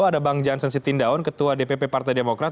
ada bang jansen sitindaun ketua dpp partai demokrat